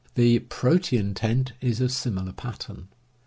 The "protean" tent is of similar pattern.